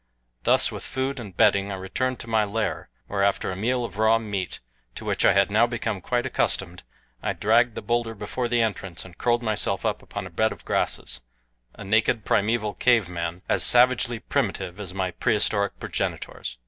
Thus, with food and bedding I returned to my lair, where after a meal of raw meat, to which I had now become quite accustomed, I dragged the bowlder before the entrance and curled myself upon a bed of grasses a naked, primeval, cave man, as savagely primitive as my prehistoric progenitors.